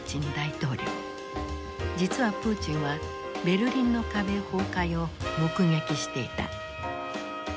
実はプーチンはベルリンの壁崩壊を目撃していた。